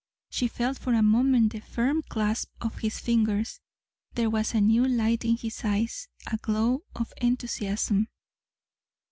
She felt for a moment the firm clasp of his fingers. There was a new light in his eyes, a glow of enthusiasm.